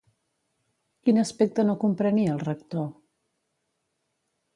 Quin aspecte no comprenia el Rector?